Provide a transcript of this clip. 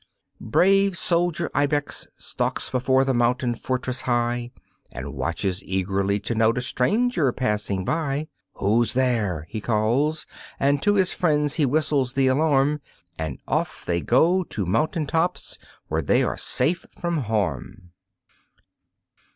Brave soldier ibex stalks before the mountain fortress high, And watches eagerly to note a stranger passing by. "Who's there?" he calls, and to his friends he whistles the alarm, And off they go to mountain tops where they are safe from harm.